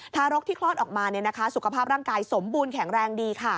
รกที่คลอดออกมาสุขภาพร่างกายสมบูรณแข็งแรงดีค่ะ